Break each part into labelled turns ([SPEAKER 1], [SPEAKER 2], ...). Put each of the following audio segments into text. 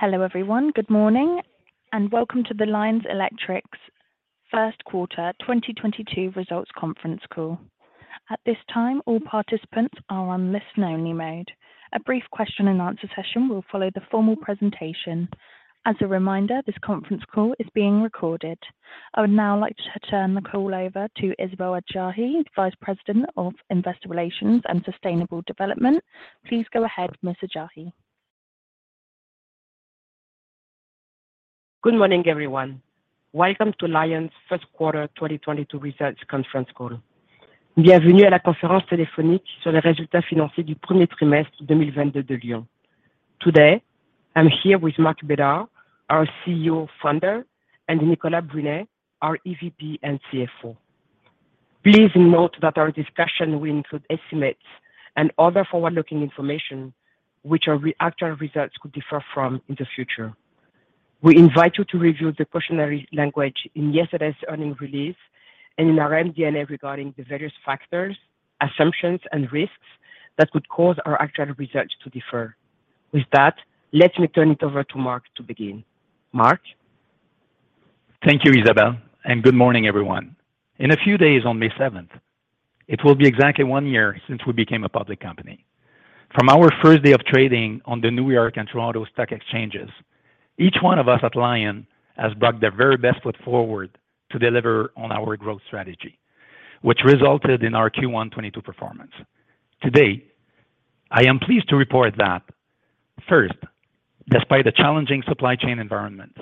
[SPEAKER 1] Hello, everyone. Good morning, and welcome to The Lion Electric Company's first quarter 2022 results conference call. At this time, all participants are in listen-only mode. A brief question-and-answer session will follow the formal presentation. As a reminder, this conference call is being recorded. I would now like to turn the call over to Isabelle Adjahi, Vice President of Investor Relations and Sustainable Development. Please go ahead, Ms. Adjahi.
[SPEAKER 2] Good morning, everyone. Welcome to Lion's first quarter 2022 results conference call. Today, I'm here with Marc Bédard, our CEO and Founder, and Nicolas Brunet, our EVP and CFO. Please note that our discussion will include estimates and other forward-looking information from which our actual results could differ in the future. We invite you to review the cautionary language in yesterday's earnings release and in our MD&A regarding the various factors, assumptions, and risks that could cause our actual results to differ. With that, let me turn it over to Marc to begin. Marc.
[SPEAKER 3] Thank you, Isabelle, and good morning, everyone. In a few days, on May seventh, it will be exactly one year since we became a public company. From our first day of trading on the New York Stock Exchange and Toronto Stock Exchange, each one of us at Lion has brought their very best foot forward to deliver on our growth strategy, which resulted in our Q1 2022 performance. Today, I am pleased to report that first, despite a challenging supply chain environment,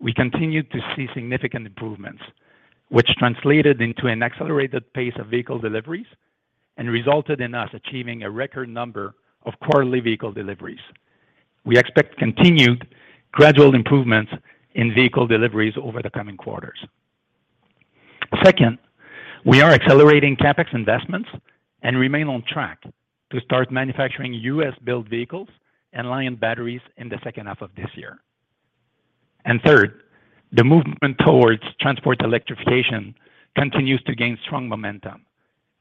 [SPEAKER 3] we continued to see significant improvements, which translated into an accelerated pace of vehicle deliveries and resulted in us achieving a record number of quarterly vehicle deliveries. We expect continued gradual improvements in vehicle deliveries over the coming quarters. Second, we are accelerating CapEx investments and remain on track to start manufacturing U.S.-built vehicles and Lion batteries in the second half of this year. Third, the movement towards transport electrification continues to gain strong momentum,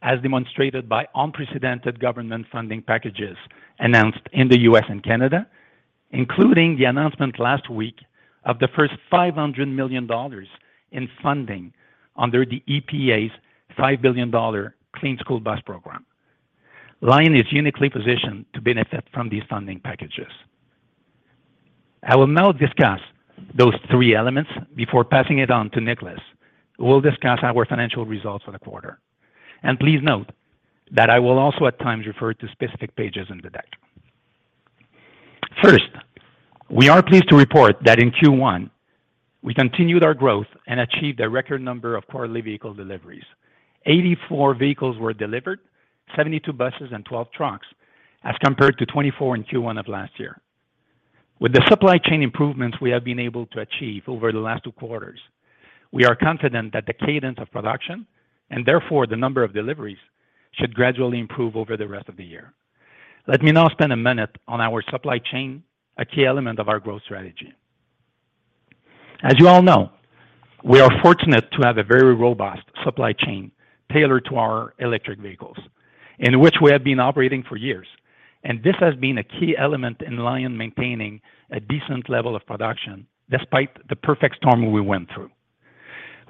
[SPEAKER 3] as demonstrated by unprecedented government funding packages announced in the US and Canada, including the announcement last week of the first $500 million in funding under the EPA's $5 billion Clean School Bus Program. Lion is uniquely positioned to benefit from these funding packages. I will now discuss those three elements before passing it on to Nicolas, who will discuss our financial results for the quarter. Please note that I will also at times refer to specific pages in the deck. First, we are pleased to report that in Q1, we continued our growth and achieved a record number of quarterly vehicle deliveries. 84 vehicles were delivered, 72 buses and 12 trucks, as compared to 24 in Q1 of last year. With the supply chain improvements we have been able to achieve over the last two quarters, we are confident that the cadence of production, and therefore the number of deliveries, should gradually improve over the rest of the year. Let me now spend a minute on our supply chain, a key element of our growth strategy. As you all know, we are fortunate to have a very robust supply chain tailored to our electric vehicles, in which we have been operating for years, and this has been a key element in Lion maintaining a decent level of production despite the perfect storm we went through.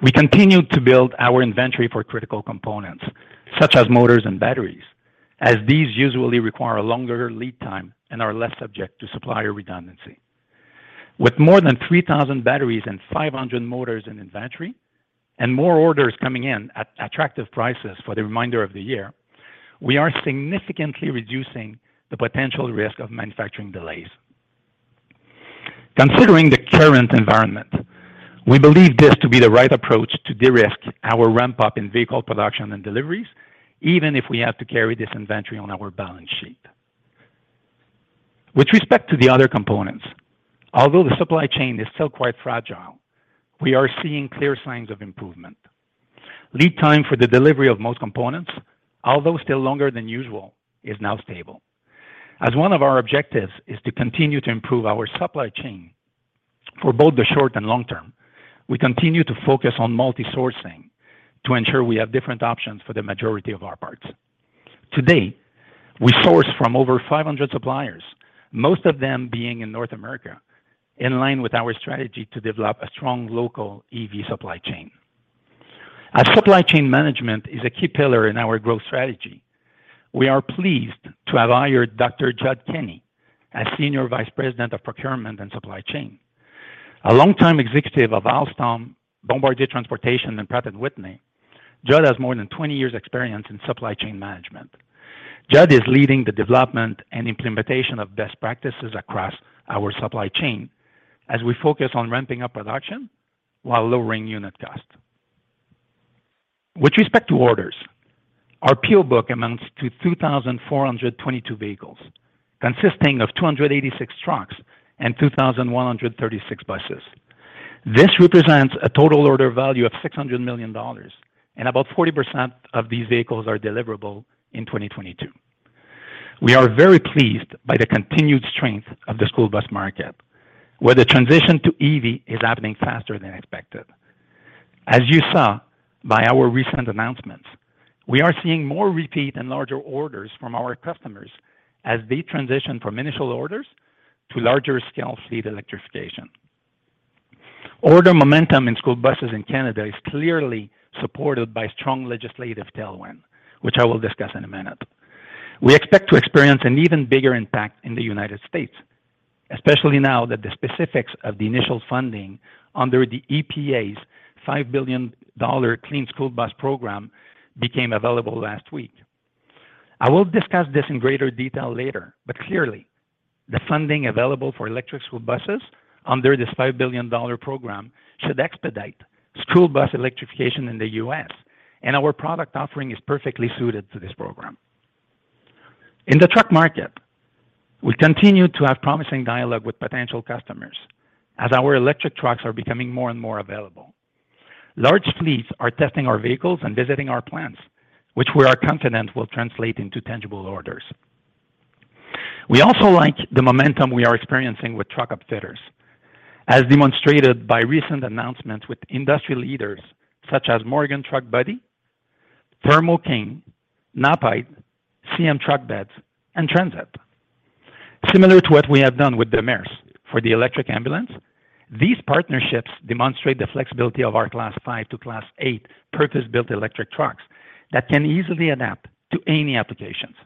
[SPEAKER 3] We continued to build our inventory for critical components such as motors and batteries, as these usually require a longer lead time and are less subject to supplier redundancy. With more than 3,000 batteries and 500 motors in inventory, and more orders coming in at attractive prices for the remainder of the year, we are significantly reducing the potential risk of manufacturing delays. Considering the current environment, we believe this to be the right approach to de-risk our ramp up in vehicle production and deliveries, even if we have to carry this inventory on our balance sheet. With respect to the other components, although the supply chain is still quite fragile, we are seeing clear signs of improvement. Lead time for the delivery of most components, although still longer than usual, is now stable. As one of our objectives is to continue to improve our supply chain for both the short and long term, we continue to focus on multi-sourcing to ensure we have different options for the majority of our parts. To date, we source from over 500 suppliers, most of them being in North America, in line with our strategy to develop a strong local EV supply chain. As supply chain management is a key pillar in our growth strategy, we are pleased to have hired Dr. Jud Kenney as Senior Vice President of Procurement and Supply Chain. A longtime executive of Alstom, Bombardier Transportation, and Pratt & Whitney, Jud has more than 20 years' experience in supply chain management. Jud is leading the development and implementation of best practices across our supply chain as we focus on ramping up production while lowering unit cost. With respect to orders, our order book amounts to 2,422 vehicles consisting of 286 trucks and 2,136 buses. This represents a total order value of 600 million dollars, and about 40% of these vehicles are deliverable in 2022. We are very pleased by the continued strength of the school bus market, where the transition to EV is happening faster than expected. As you saw in our recent announcements, we are seeing more repeat and larger orders from our customers as they transition from initial orders to larger scale fleet electrification. Order momentum in school buses in Canada is clearly supported by strong legislative tailwind, which I will discuss in a minute. We expect to experience an even bigger impact in the United States, especially now that the specifics of the initial funding under the EPA's $5 billion Clean School Bus Program became available last week. I will discuss this in greater detail later, but clearly, the funding available for electric school buses under this $5 billion program should expedite school bus electrification in the U.S., and our product offering is perfectly suited to this program. In the truck market, we continue to have promising dialogue with potential customers as our electric trucks are becoming more and more available. Large fleets are testing our vehicles and visiting our plants, which we are confident will translate into tangible orders. We also like the momentum we are experiencing with truck upfitters, as demonstrated by recent announcements with industry leaders such as Morgan Truck Body, Thermo King, Knapheide, CM Truck Beds, and Transit. Similar to what we have done with Demers for the electric ambulance, these partnerships demonstrate the flexibility of our Class 5 to Class 8 purpose-built electric trucks that can easily adapt to any applications.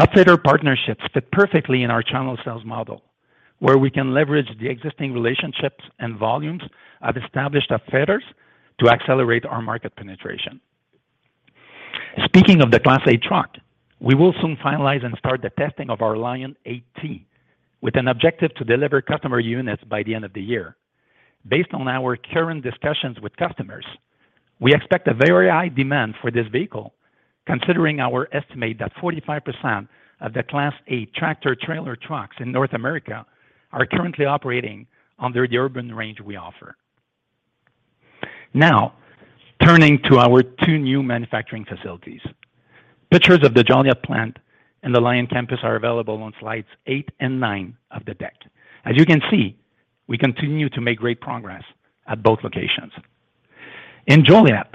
[SPEAKER 3] Upfitter partnerships fit perfectly in our channel sales model, where we can leverage the existing relationships and volumes of established upfitters to accelerate our market penetration. Speaking of the Class 8 truck, we will soon finalize and start the testing of our Lion8 with an objective to deliver customer units by the end of the year. Based on our current discussions with customers, we expect a very high demand for this vehicle, considering our estimate that 45% of the Class 8 tractor-trailer trucks in North America are currently operating under the urban range we offer. Now, turning to our two new manufacturing facilities. Pictures of the Joliet plant and the Lion campus are available on slides 8 and 9 of the deck. As you can see, we continue to make great progress at both locations. In Joliet,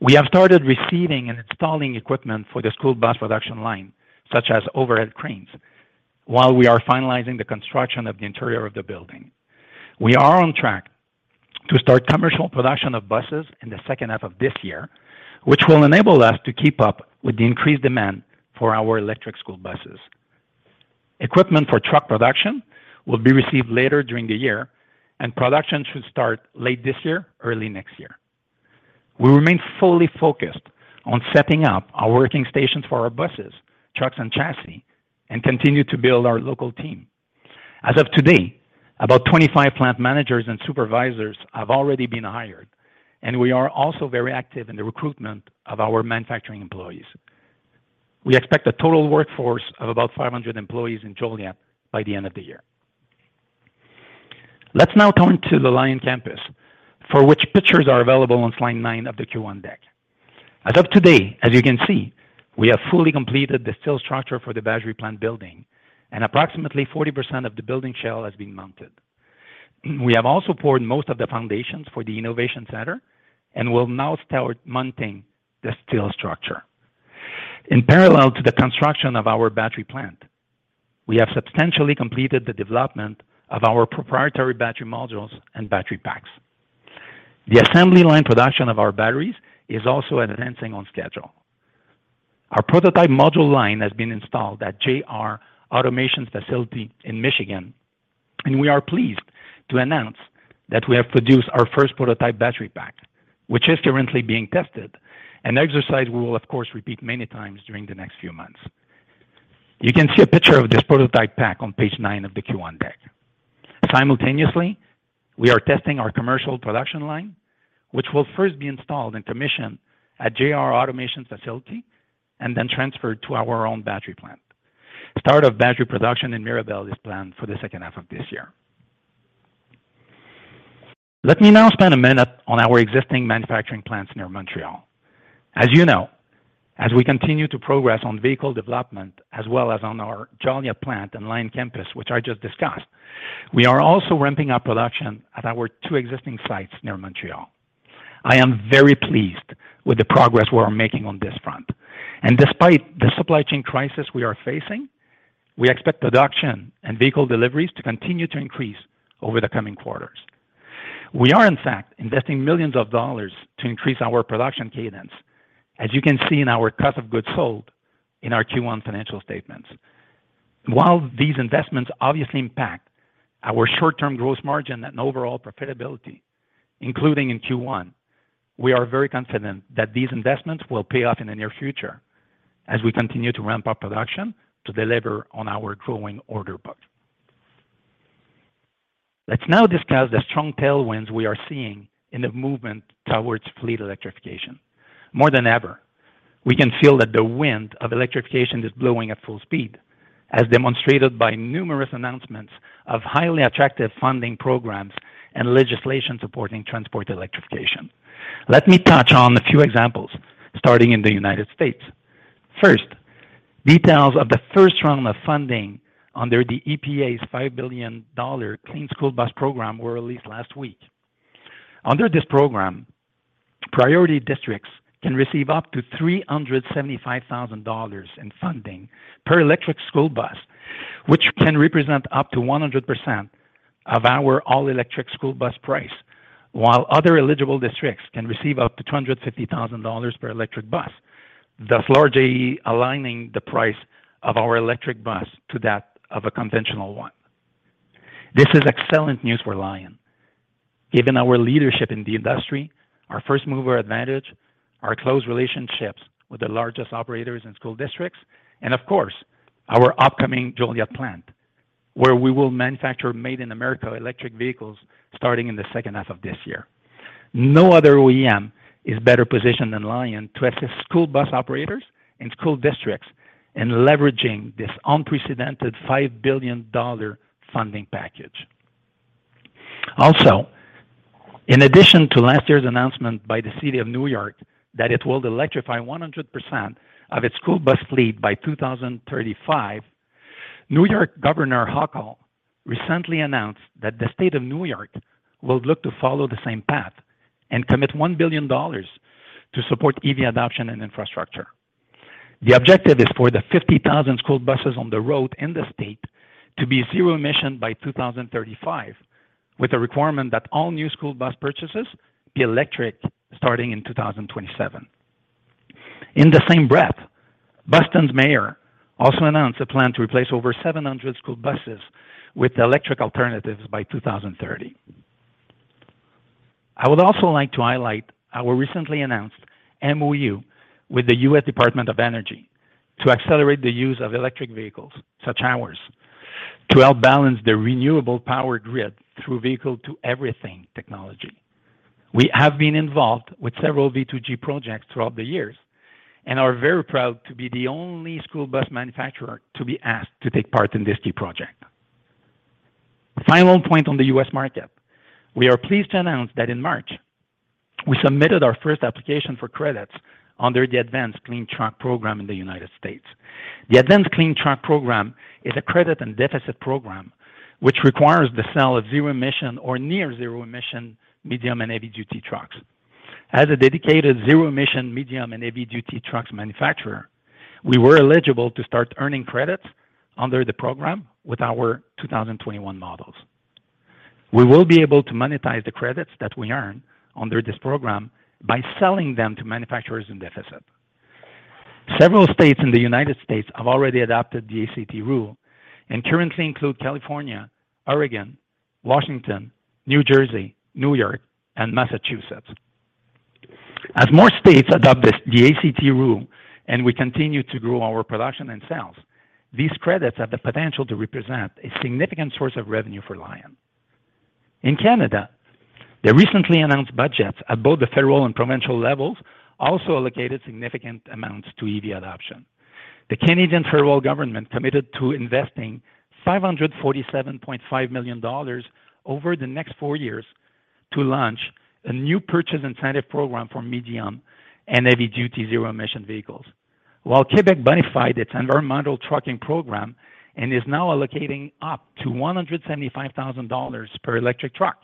[SPEAKER 3] we have started receiving and installing equipment for the school bus production line, such as overhead cranes, while we are finalizing the construction of the interior of the building. We are on track to start commercial production of buses in the second half of this year, which will enable us to keep up with the increased demand for our electric school buses. Equipment for truck production will be received later during the year, and production should start late this year, early next year. We remain fully focused on setting up our working stations for our buses, trucks, and chassis, and continue to build our local team. As of today, about 25 plant managers and supervisors have already been hired, and we are also very active in the recruitment of our manufacturing employees. We expect a total workforce of about 500 employees in Joliet by the end of the year. Let's now turn to the Lion campus, for which pictures are available on slide 9 of the Q1 deck. As of today, as you can see, we have fully completed the steel structure for the battery plant building, and approximately 40% of the building shell has been mounted. We have also poured most of the foundations for the innovation center and will now start mounting the steel structure. In parallel to the construction of our battery plant, we have substantially completed the development of our proprietary battery modules and battery packs. The assembly line production of our batteries is also advancing on schedule. Our prototype module line has been installed at JR Automation's facility in Michigan, and we are pleased to announce that we have produced our first prototype battery pack, which is currently being tested, an exercise we will of course repeat many times during the next few months. You can see a picture of this prototype pack on page 9 of the Q1 deck. Simultaneously, we are testing our commercial production line, which will first be installed and commissioned at JR Automation's facility and then transferred to our own battery plant. Start of battery production in Mirabel is planned for the second half of this year. Let me now spend a minute on our existing manufacturing plants near Montreal. As you know, as we continue to progress on vehicle development as well as on our Joliet plant and Lion campus, which I just discussed, we are also ramping up production at our two existing sites near Montreal. I am very pleased with the progress we are making on this front. Despite the supply chain crisis we are facing, we expect production and vehicle deliveries to continue to increase over the coming quarters. We are in fact investing millions of CAD to increase our production cadence, as you can see in our cost of goods sold in our Q1 financial statements. While these investments obviously impact our short-term gross margin and overall profitability, including in Q1, we are very confident that these investments will pay off in the near future as we continue to ramp up production to deliver on our growing order book. Let's now discuss the strong tailwinds we are seeing in the movement towards fleet electrification. More than ever, we can feel that the wind of electrification is blowing at full speed, as demonstrated by numerous announcements of highly attractive funding programs and legislation supporting transport electrification. Let me touch on a few examples, starting in the United States. First, details of the first round of funding under the EPA's $5 billion Clean School Bus Program were released last week. Under this program, priority districts can receive up to $375,000 in funding per electric school bus, which can represent up to 100% of our all-electric school bus price, while other eligible districts can receive up to $250,000 per electric bus, thus largely aligning the price of our electric bus to that of a conventional one. This is excellent news for Lion. Given our leadership in the industry, our first-mover advantage, our close relationships with the largest operators and school districts, and of course, our upcoming Joliet plant, where we will manufacture made in America electric vehicles starting in the second half of this year. No other OEM is better positioned than Lion to assist school bus operators and school districts in leveraging this unprecedented $5 billion funding package. Also, in addition to last year's announcement by the City of New York that it will electrify 100% of its school bus fleet by 2035, New York Governor Hochul recently announced that the State of New York will look to follow the same path and commit $1 billion to support EV adoption and infrastructure. The objective is for the 50,000 school buses on the road in the state to be zero emission by 2035, with a requirement that all new school bus purchases be electric starting in 2027. In the same breath, Boston's mayor also announced a plan to replace over 700 school buses with electric alternatives by 2030. I would also like to highlight our recently announced MoU with the U.S. Department of Energy to accelerate the use of electric vehicles, such as ours, to help balance the renewable power grid through vehicle-to-everything technology. We have been involved with several V2G projects throughout the years and are very proud to be the only school bus manufacturer to be asked to take part in this key project. Final point on the US market. We are pleased to announce that in March, we submitted our first application for credits under the Advanced Clean Truck Program in the United States. The Advanced Clean Truck Program is a credit and deficit program which requires the sale of zero-emission or near zero-emission medium and heavy duty trucks. As a dedicated zero-emission medium and heavy duty trucks manufacturer, we were eligible to start earning credits under the program with our 2021 models. We will be able to monetize the credits that we earn under this program by selling them to manufacturers in deficit. Several states in the United States have already adopted the ACT rule and currently include California, Oregon, Washington, New Jersey, New York, and Massachusetts. As more states adopt this, the ACT rule, and we continue to grow our production and sales, these credits have the potential to represent a significant source of revenue for Lion. In Canada, the recently announced budgets at both the federal and provincial levels also allocated significant amounts to EV adoption. The Canadian federal government committed to investing 547.5 million dollars over the next four years to launch a new purchase incentive program for medium and heavy duty zero emission vehicles. While Quebec bonified its environmental trucking program and is now allocating up to 175,000 dollars per electric truck.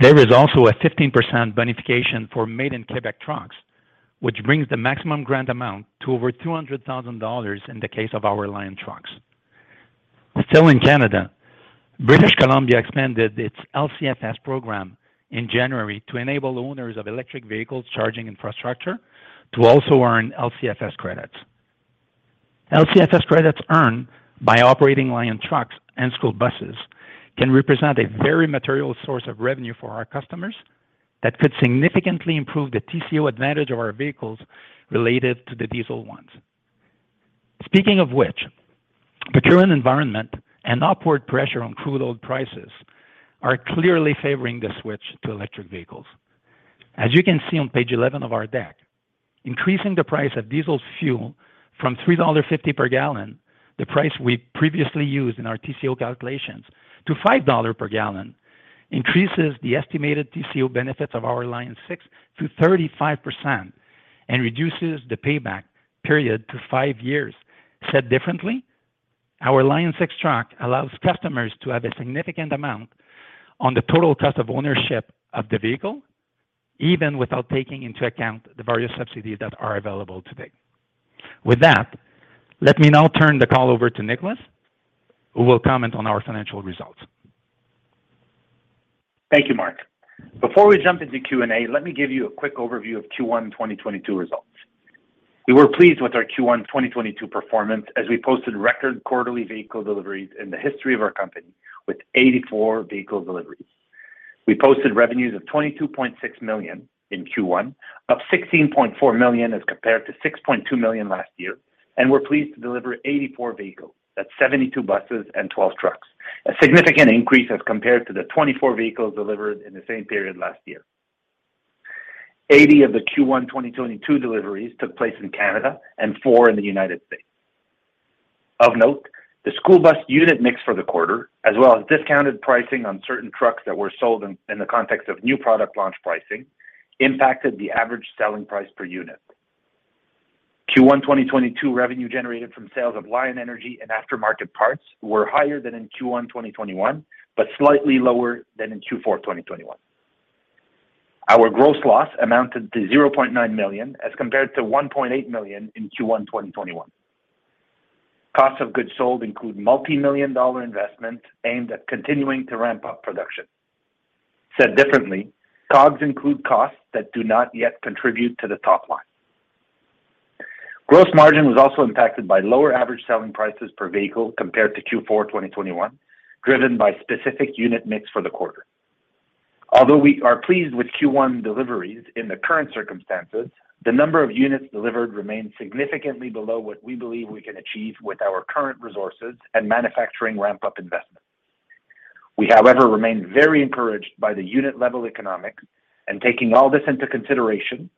[SPEAKER 3] There is also a 15% bonification for made in Quebec trucks, which brings the maximum grant amount to over 200,000 dollars in the case of our Lion trucks. Still in Canada, British Columbia expanded its LCFS program in January to enable owners of electric vehicle charging infrastructure to also earn LCFS credits. LCFS credits earned by operating Lion trucks and school buses can represent a very material source of revenue for our customers that could significantly improve the TCO advantage of our vehicles related to the diesel ones. Speaking of which, the current environment and upward pressure on crude oil prices are clearly favoring the switch to electric vehicles. As you can see on page 11 of our deck, increasing the price of diesel fuel from $3.50 per gallon, the price we previously used in our TCO calculations, to $5 per gallon increases the estimated TCO benefits of our Lion6 to 35% and reduces the payback period to 5 years. Said differently, our Lion6 truck allows customers to have a significant amount on the total cost of ownership of the vehicle, even without taking into account the various subsidies that are available today. With that, let me now turn the call over to Nicolas, who will comment on our financial results.
[SPEAKER 4] Thank you, Marc. Before we jump into Q&A, let me give you a quick overview of Q1 2022 results. We were pleased with our Q1 2022 performance as we posted record quarterly vehicle deliveries in the history of our company with 84 vehicle deliveries. We posted revenues of 22.6 million in Q1, up 16.4 million as compared to 6.2 million last year, and we're pleased to deliver 84 vehicles. That's 72 buses and 12 trucks. A significant increase as compared to the 24 vehicles delivered in the same period last year. 80 of the Q1 2022 deliveries took place in Canada and 4 in the United States. Of note, the school bus unit mix for the quarter, as well as discounted pricing on certain trucks that were sold in the context of new product launch pricing impacted the average selling price per unit. Q1 2022 revenue generated from sales of Lion Energy and aftermarket parts were higher than in Q1 2021, but slightly lower than in Q4 2021. Our gross loss amounted to 0.9 million as compared to 1.8 million in Q1 2021. Cost of goods sold include multimillion-dollar investments aimed at continuing to ramp up production. Said differently, COGS include costs that do not yet contribute to the top line. Gross margin was also impacted by lower average selling prices per vehicle compared to Q4 2021, driven by specific unit mix for the quarter. Although we are pleased with Q1 deliveries in the current circumstances, the number of units delivered remains significantly below what we believe we can achieve with our current resources and manufacturing ramp-up investments. We, however, remain very encouraged by the unit-level economics and taking all this into consideration,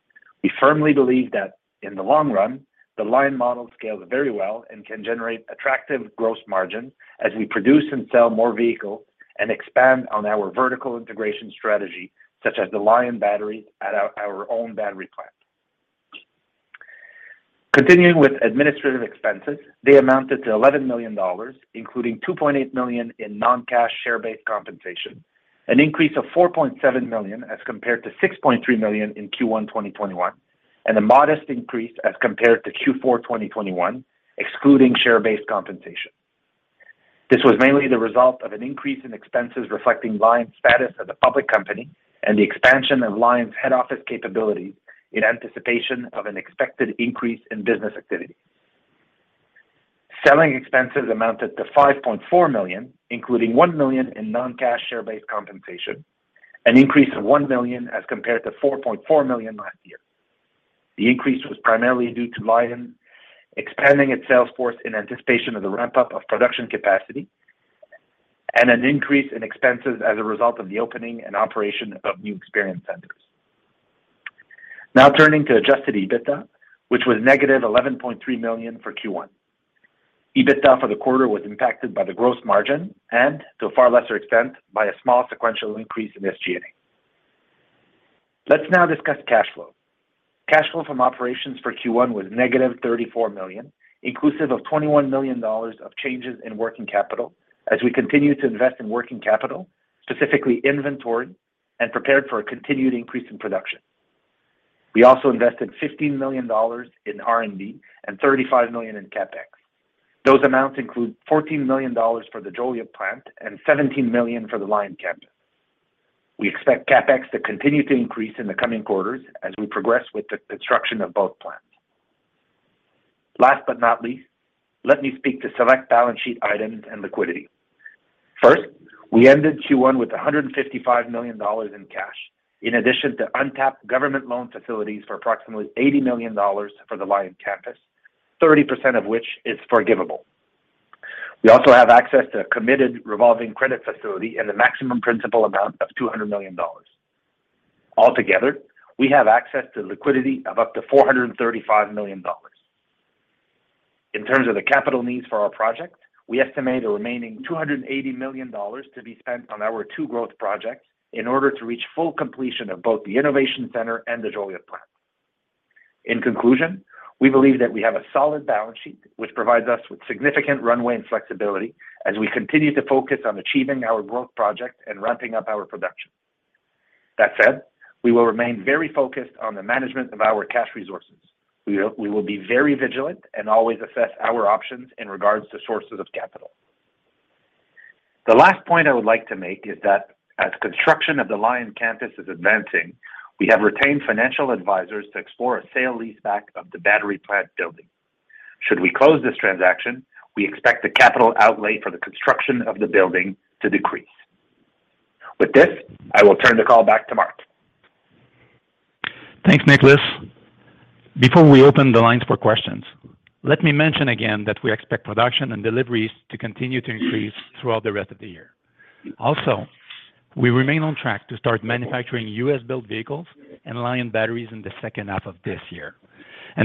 [SPEAKER 4] we firmly believe that in the long run, the Lion model scales very well and can generate attractive gross margin as we produce and sell more vehicles and expand on our vertical integration strategy such as the Lion battery at our own battery plant. Continuing with administrative expenses, they amounted to 11 million dollars, including 2.8 million in non-cash share-based compensation, an increase of 4.7 million as compared to 6.3 million in Q1 2021, and a modest increase as compared to Q4 2021, excluding share-based compensation. This was mainly the result of an increase in expenses reflecting Lion's status as a public company and the expansion of Lion's head office capabilities in anticipation of an expected increase in business activity. Selling expenses amounted to 5.4 million, including 1 million in non-cash share-based compensation, an increase of 1 million as compared to 4.4 million last year. The increase was primarily due to Lion expanding its sales force in anticipation of the ramp-up of production capacity and an increase in expenses as a result of the opening and operation of new experience centers. Now turning to adjusted EBITDA, which was negative 11.3 million for Q1. EBITDA for the quarter was impacted by the gross margin and to a far lesser extent, by a small sequential increase in SG&A. Let's now discuss cash flow. Cash flow from operations for Q1 was negative 34 million, inclusive of 21 million dollars of changes in working capital as we continue to invest in working capital, specifically inventory and prepared for a continued increase in production. We also invested 15 million dollars in R&D and 35 million in CapEx. Those amounts include 14 million dollars for the Joliet plant and 17 million for the Lion campus. We expect CapEx to continue to increase in the coming quarters as we progress with the construction of both plants. Last but not least, let me speak to select balance sheet items and liquidity. First, we ended Q1 with 155 million dollars in cash. In addition to untapped government loan facilities for approximately 80 million dollars for the Lion campus, 30% of which is forgivable. We also have access to a committed revolving credit facility and a maximum principal amount of 200 million dollars. Altogether, we have access to liquidity of up to 435 million dollars. In terms of the capital needs for our project, we estimate a remaining 280 million dollars to be spent on our two growth projects in order to reach full completion of both the innovation center and the Joliet plant. In conclusion, we believe that we have a solid balance sheet, which provides us with significant runway and flexibility as we continue to focus on achieving our growth project and ramping up our production. That said, we will remain very focused on the management of our cash resources. We will be very vigilant and always assess our options in regards to sources of capital. The last point I would like to make is that as construction of the Lion campus is advancing, we have retained financial advisors to explore a sale-leaseback of the battery plant building. Should we close this transaction, we expect the capital outlay for the construction of the building to decrease. With this, I will turn the call back to Marc.
[SPEAKER 3] Thanks, Nicolas. Before we open the lines for questions, let me mention again that we expect production and deliveries to continue to increase throughout the rest of the year. Also, we remain on track to start manufacturing U.S.-built vehicles and Lion batteries in the second half of this year.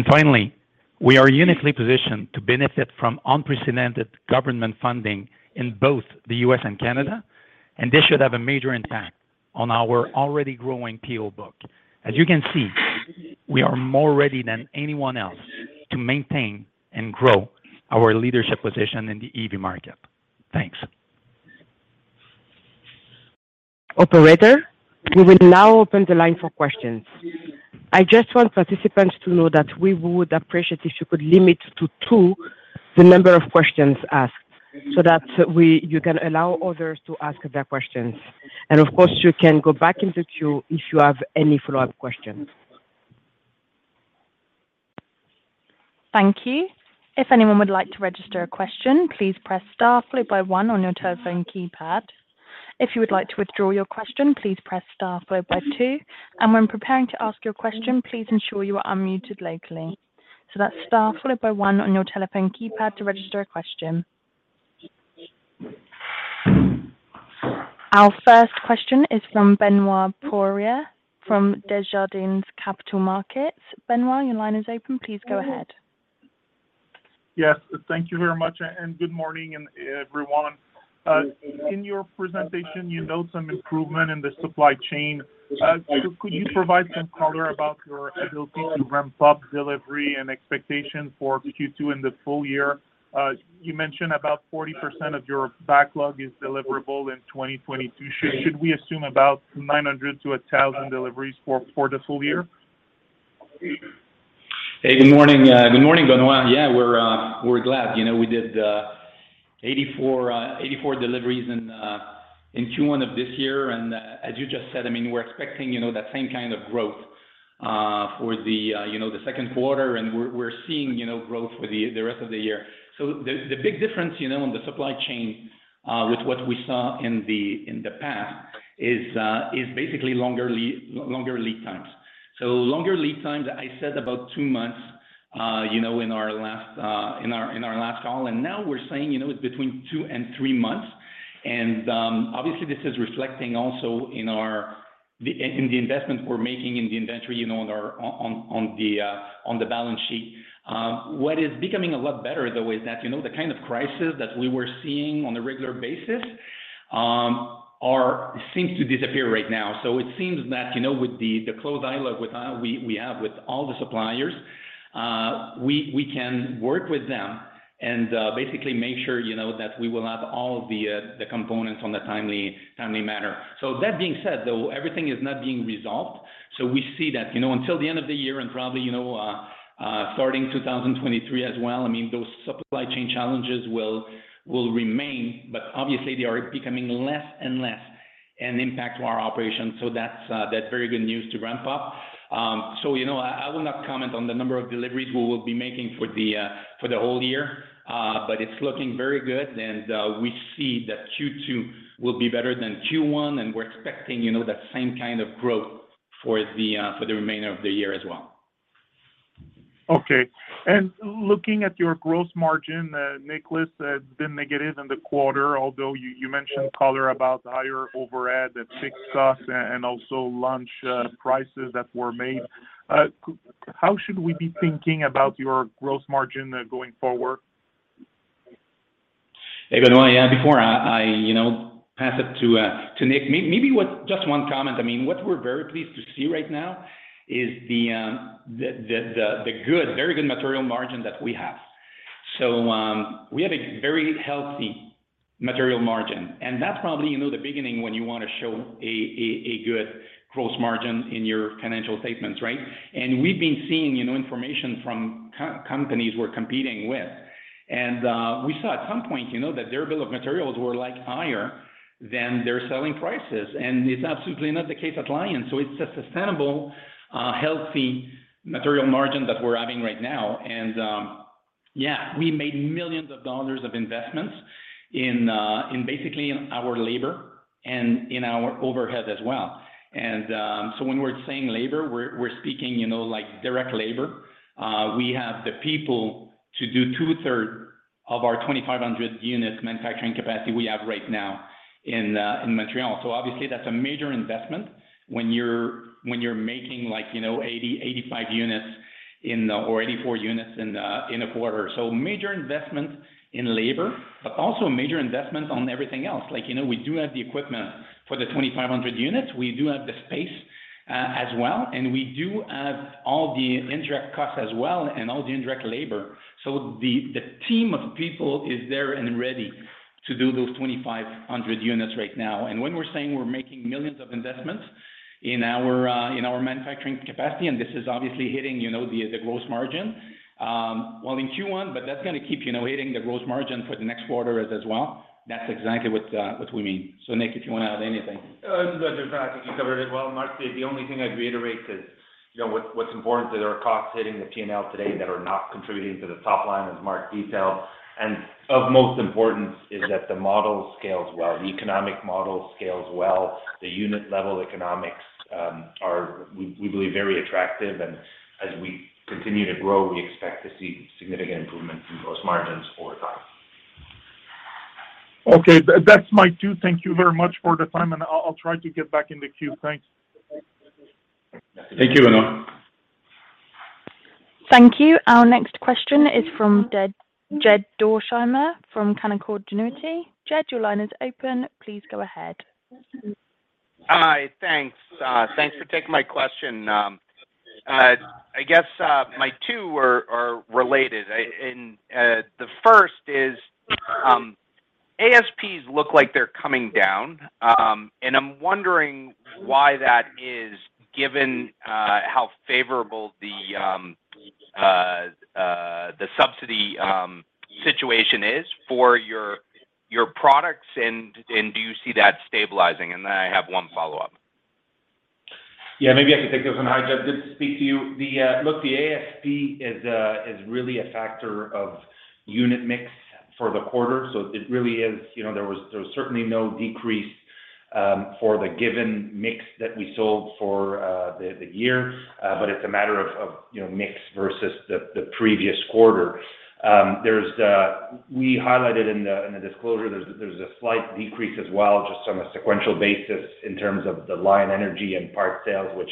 [SPEAKER 3] Finally, we are uniquely positioned to benefit from unprecedented government funding in both the U.S. and Canada, and this should have a major impact on our already growing PO book. As you can see, we are more ready than anyone else to maintain and grow our leadership position in the EV market. Thanks.
[SPEAKER 2] Operator, we will now open the line for questions. I just want participants to know that we would appreciate if you could limit to two the number of questions asked so that you can allow others to ask their questions. Of course, you can go back into queue if you have any follow-up questions.
[SPEAKER 1] Thank you. If anyone would like to register a question, please press star followed by one on your telephone keypad. If you would like to withdraw your question, please press star followed by two. When preparing to ask your question, please ensure you are unmuted locally. That's star followed by one on your telephone keypad to register a question. Our first question is from Benoit Poirier, from Desjardins Capital Markets. Benoit, your line is open. Please go ahead.
[SPEAKER 5] Yes. Thank you very much, and good morning everyone. In your presentation, you note some improvement in the supply chain. Could you provide some color about your ability to ramp up delivery and expectation for Q2 in the full year? You mentioned about 40% of your backlog is deliverable in 2022. Should we assume about 900-1,000 deliveries for the full year?
[SPEAKER 3] Hey, good morning. Good morning, Benoit. Yeah, we're glad. You know, we did 84 deliveries in Q1 of this year. As you just said, I mean, we're expecting, you know, that same kind of growth for the second quarter, and we're seeing, you know, growth for the rest of the year. The big difference, you know, on the supply chain with what we saw in the past is basically longer lead times. Longer lead times, I said about 2 months, you know, in our last call, and now we're saying, you know, it's between 2 and 3 months. Obviously, this is reflecting also in the investment we're making in the inventory, you know, on our balance sheet. What is becoming a lot better, though, is that, you know, the kind of crisis that we were seeing on a regular basis seems to disappear right now. It seems that, you know, with the close dialogue we have with all the suppliers, we can work with them and basically make sure, you know, that we will have all the components in a timely manner. That being said, though, everything is not being resolved, so we see that, you know, until the end of the year and probably, you know, starting 2023 as well, I mean, those supply chain challenges will remain, but obviously they are becoming less and less an impact to our operations. That's very good news to ramp up. You know, I will not comment on the number of deliveries we will be making for the whole year, but it's looking very good. We see that Q2 will be better than Q1, and we're expecting, you know, that same kind of growth for the remainder of the year as well.
[SPEAKER 5] Okay. Looking at your gross margin, Nicolas, been negative in the quarter, although you mentioned color about the higher overhead, the fixed costs and also launch prices that were made. How should we be thinking about your gross margin going forward?
[SPEAKER 3] Hey, Benoit. Yeah, before I you know, pass it to Nick, maybe just one comment. I mean, what we're very pleased to see right now is the good, very good material margin that we have. So, we have a very healthy material margin, and that's probably, you know, the beginning when you wanna show a good gross margin in your financial statements, right? We've been seeing, you know, information from companies we're competing with. We saw at some point, you know, that their bill of materials were, like, higher than their selling prices, and it's absolutely not the case at Lion. So it's a sustainable, healthy material margin that we're having right now. Yeah, we made millions dollars of investments in basically our labor and in our overhead as well. When we're saying labor, we're speaking, you know, like, direct labor. We have the people to do two-thirds of our 2,500 units manufacturing capacity we have right now in Montreal. Obviously, that's a major investment when you're making, like, you know, 80-85 units or 84 units in a quarter. Major investment in labor, but also major investments on everything else. Like, you know, we do have the equipment for the 2,500 units. We do have the space as well, and we do have all the indirect costs as well and all the indirect labor. The team of people is there and ready to do those 2,500 units right now. When we're saying we're making millions of investments in our manufacturing capacity, and this is obviously hitting, you know, the gross margin, well, in Q1, but that's gonna keep, you know, hitting the gross margin for the next quarter as well. That's exactly what we mean. Nick, if you wanna add anything.
[SPEAKER 4] No, I think you covered it well. Mark, the only thing I'd reiterate is, you know, what's important that our costs hitting the P&L today that are not contributing to the top line, as Mark detailed, and of most importance is that the model scales well, the economic model scales well. The unit level economics are we believe very attractive, and as we continue to grow, we expect to see significant improvement in gross margins over time.
[SPEAKER 5] Okay. That's my cue. Thank you very much for your time, and I'll try to get back in the queue. Thanks.
[SPEAKER 3] Thank you, Benoit.
[SPEAKER 1] Thank you. Our next question is from Jed Dorsheimer from Canaccord Genuity. Jed, your line is open. Please go ahead.
[SPEAKER 6] Hi. Thanks. Thanks for taking my question. I guess my two are related. The first is, ASPs look like they're coming down, and I'm wondering why that is given how favorable the subsidy situation is for your products, and do you see that stabilizing? Then I have one follow-up.
[SPEAKER 3] Yeah, maybe I can take this one. Hi, Jed, good to speak to you. The ASP is really a factor of unit mix for the quarter, so it really is. You know, there was certainly no decrease.
[SPEAKER 4] For the given mix that we sold for the year, but it's a matter of mix versus the previous quarter. We highlighted in the disclosure, there's a slight decrease as well just on a sequential basis in terms of the LionEnergy and parts sales, which,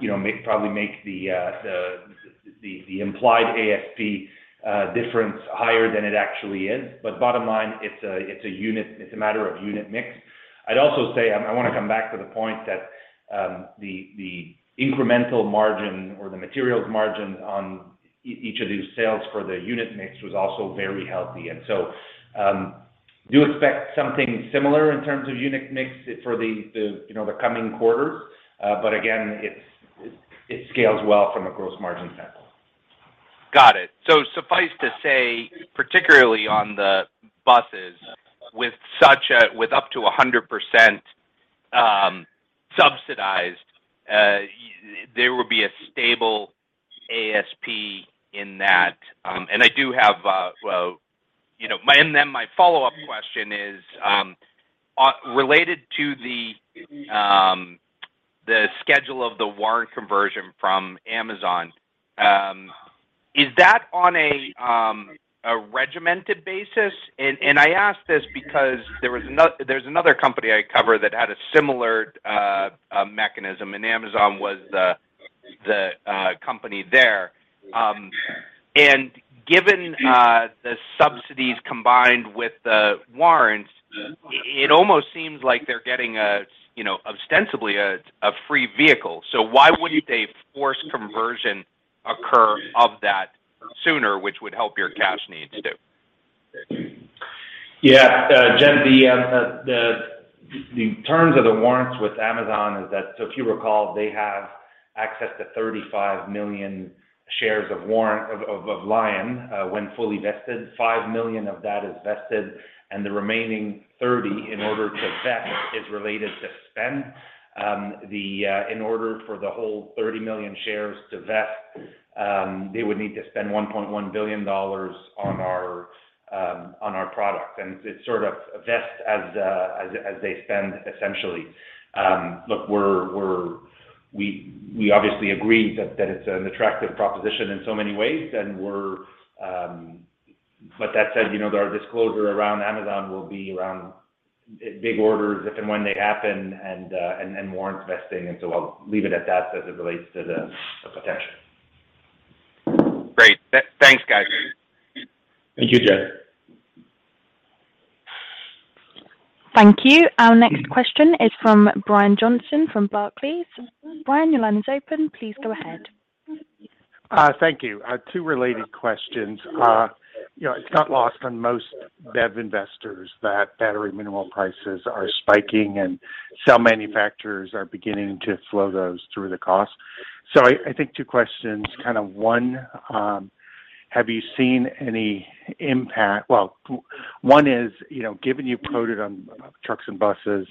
[SPEAKER 4] you know, probably make the implied ASP difference higher than it actually is. Bottom line, it's a matter of unit mix. I'd also say, I wanna come back to the point that the incremental margin or the materials margin on each of these sales for the unit mix was also very healthy. Do expect something similar in terms of unit mix for the coming quarters. Again, it scales well from a gross margin standpoint.
[SPEAKER 6] Got it. Suffice to say, particularly on the buses with up to 100% subsidized, there will be a stable ASP in that. My follow-up question is related to the schedule of the warrant conversion from Amazon. Is that on a regimented basis? I ask this because there's another company I cover that had a similar mechanism, and Amazon was the company there. Given the subsidies combined with the warrants, it almost seems like they're getting a you know ostensibly a free vehicle. Why wouldn't a forced conversion occur of that sooner which would help your cash needs too?
[SPEAKER 4] Yeah. Jed, the terms of the warrants with Amazon is that, if you recall, they have access to 35 million shares of warrants of Lion when fully vested. 5 million of that is vested, and the remaining 30 in order to vest is related to spend. In order for the whole 30 million shares to vest, they would need to spend $1.1 billion on our product. It sort of vests as they spend, essentially. Look, we obviously agreed that it's an attractive proposition in so many ways, and we're. That said, you know, our disclosure around Amazon will be around big orders if and when they happen and warrants vesting, and so I'll leave it at that as it relates to the potential.
[SPEAKER 6] Great. Thanks, guys.
[SPEAKER 4] Thank you, Jed.
[SPEAKER 1] Thank you. Our next question is from Brian Johnson from Barclays. Brian, your line is open. Please go ahead.
[SPEAKER 7] Thank you. Two related questions. You know, it's not lost on most BEV investors that battery mineral prices are spiking and cell manufacturers are beginning to flow those through the costs. I think two questions. One is, you know, given you quoted on trucks and buses,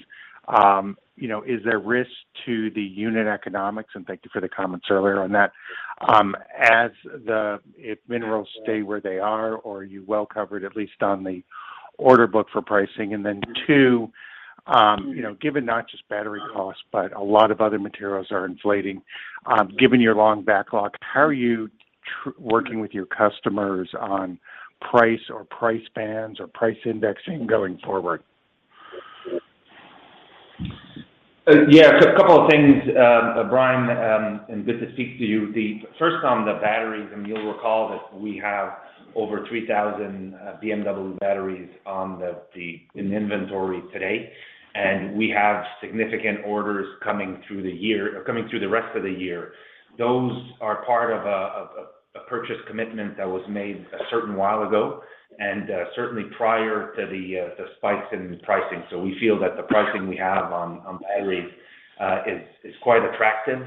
[SPEAKER 7] you know, is there risk to the unit economics, and thank you for the comments earlier on that, as the minerals stay where they are, or are you well covered at least on the order book for pricing? Then two, you know, given not just battery costs, but a lot of other materials are inflating, given your long backlog, how are you working with your customers on price or price bands or price indexing going forward?
[SPEAKER 4] Yeah. A couple of things, Brian, and good to speak to you. The first on the batteries. You'll recall that we have over 3,000 BMW batteries in inventory today. We have significant orders coming through the rest of the year. Those are part of a purchase commitment that was made quite a while ago, and certainly prior to the spikes in pricing. We feel that the pricing we have on batteries is quite attractive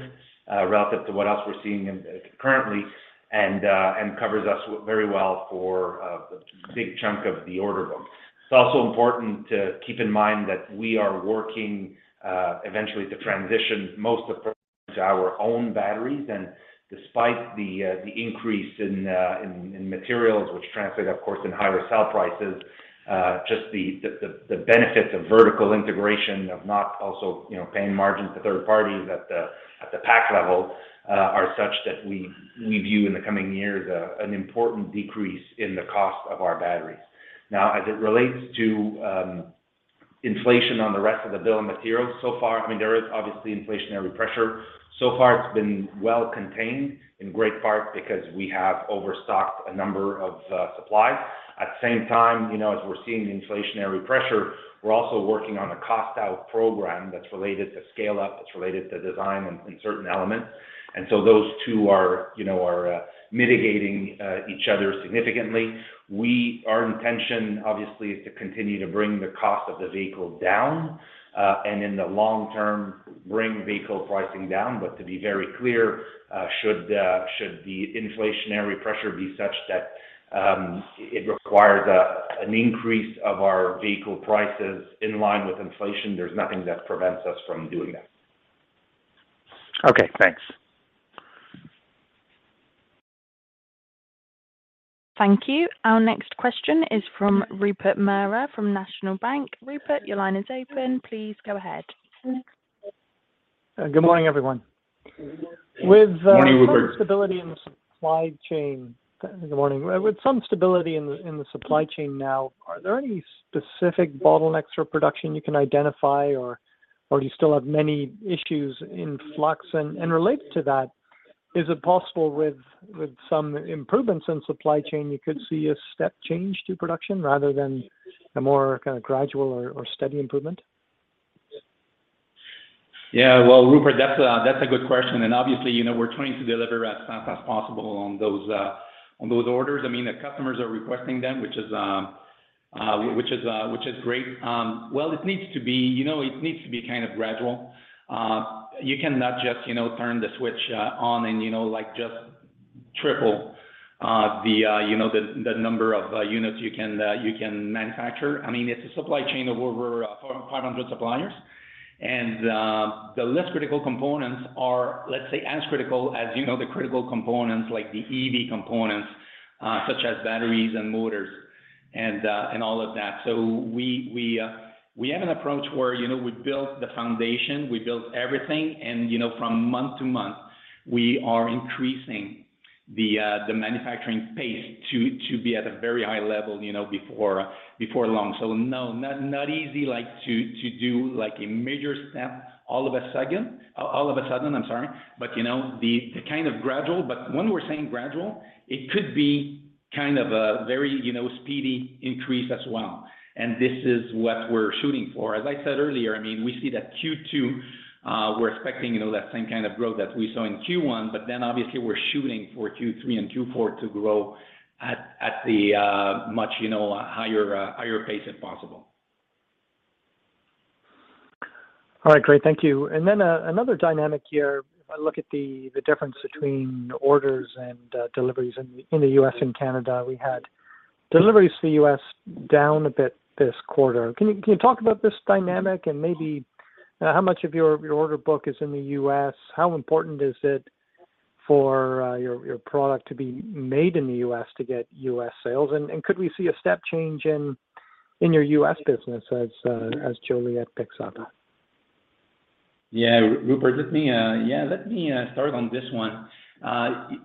[SPEAKER 4] relative to what else we're seeing currently and covers us very well for a big chunk of the order book. It's also important to keep in mind that we are working eventually to transition most of our own batteries. Despite the increase in materials which translates of course in higher cell prices, just the benefits of vertical integration, not also, you know, paying margins to third parties at the pack level are such that we view in the coming years an important decrease in the cost of our batteries. Now, as it relates to inflation on the rest of the bill of materials, so far, I mean, there is obviously inflationary pressure. So far it's been well contained in great part because we have overstocked a number of supplies. At the same time, you know, as we're seeing the inflationary pressure, we're also working on a cost out program that's related to scale up, that's related to design in certain elements. Those two are, you know, mitigating each other significantly. Our intention obviously is to continue to bring the cost of the vehicle down, and in the long term bring vehicle pricing down. To be very clear, should the inflationary pressure be such that it requires an increase of our vehicle prices in line with inflation, there's nothing that prevents us from doing that.
[SPEAKER 7] Okay, thanks.
[SPEAKER 1] Thank you. Our next question is from Rupert Merer from National Bank. Rupert, your line is open. Please go ahead.
[SPEAKER 8] Good morning, everyone.
[SPEAKER 3] Morning, Rupert.
[SPEAKER 8] Good morning. With some stability in the supply chain now, are there any specific bottlenecks for production you can identify or do you still have many issues in flux? Related to that, is it possible with some improvements in supply chain, you could see a step change to production rather than a more kind of gradual or steady improvement?
[SPEAKER 3] Yeah. Well, Rupert, that's a good question. Obviously, you know, we're trying to deliver as fast as possible on those orders. I mean, the customers are requesting them, which is great. Well, it needs to be, you know, kind of gradual. You cannot just, you know, turn the switch on and, you know, like, just triple the number of units you can manufacture. I mean, it's a supply chain of over 450 suppliers. The less critical components are, let's say, as critical as, you know, the critical components like the EV components, such as batteries and motors and all of that. We have an approach where, you know, we build the foundation, we build everything. You know, from month to month, we are increasing the manufacturing pace to be at a very high level, you know, before long. No, not easy, like, to do, like, a major step all of a sudden, I'm sorry. You know, kind of gradual. When we're saying gradual, it could be kind of a very, you know, speedy increase as well. This is what we're shooting for. As I said earlier, I mean, we see that Q2, we're expecting, you know, that same kind of growth that we saw in Q1, but then obviously we're shooting for Q3 and Q4 to grow at the much, you know, higher pace if possible.
[SPEAKER 8] All right, great. Thank you. Another dynamic here. If I look at the difference between orders and deliveries in the U.S. and Canada, we had deliveries to the U.S. down a bit this quarter. Can you talk about this dynamic and maybe how much of your order book is in the U.S.? How important is it for your product to be made in the U.S. to get U.S. sales? Could we see a step change in your U.S. business as Joliet picks up?
[SPEAKER 3] Yeah. Rupert, let me start on this one.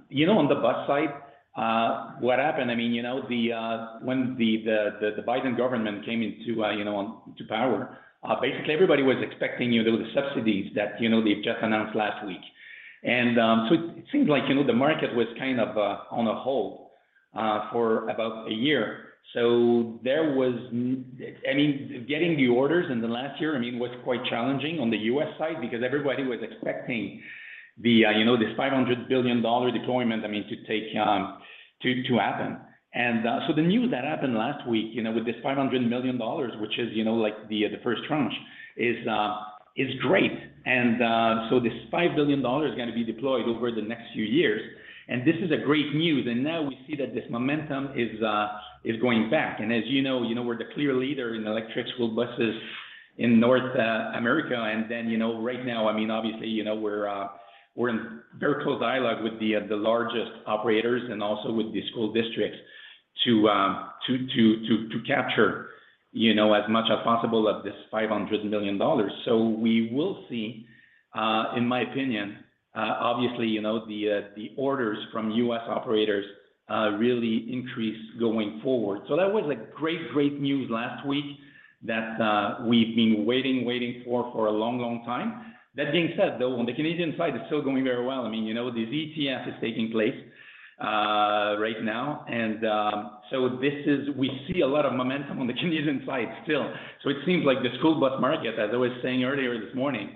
[SPEAKER 3] You know, on the bus side, what happened, I mean, you know, when the Biden government came into power, basically everybody was expecting the subsidies that they've just announced last week. It seems like the market was kind of on hold for about a year. Getting the orders in the last year was quite challenging on the U.S. side because everybody was expecting this $500 billion deployment to happen. The news that happened last week, you know, with this $500 million, which is, you know, like the first tranche, is great. This $5 billion is gonna be deployed over the next few years, and this is great news. Now we see that this momentum is going back. As you know, you know, we're the clear leader in electric school buses in North America. Right now, I mean, obviously, you know, we're in very close dialogue with the largest operators and also with the school districts to capture, you know, as much as possible of this $500 million. We will see, in my opinion, obviously, you know, the orders from U.S. operators really increase going forward. That was, like, great news last week that we've been waiting for a long time. That being said, though, on the Canadian side, it's still going very well. I mean, you know, the ZETF is taking place right now. We see a lot of momentum on the Canadian side still. It seems like the school bus market, as I was saying earlier this morning,